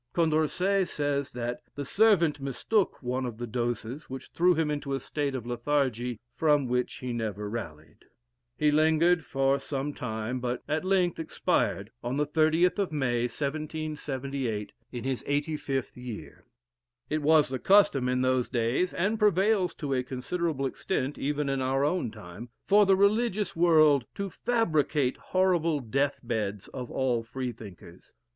Condorcet says that the servant mistook one of the doses, which threw him into a state of lethargy, from which he never rallied. He lingered for some time, but at length expired on the 30th of May, 1778, in his eighty fifth year. It was the custom in those days, and prevails to a considerable extent even in our own time, for the religious world to fabricate "horrible death beds" of all Freethinkers.